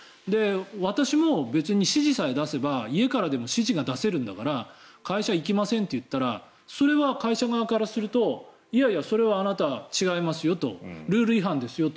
私も別に指示さえ出せば家からでも指示が出せるんだから会社に行きませんと言ったらそれは会社側からするといやいや、それはあなた違いますよとルール違反ですよと。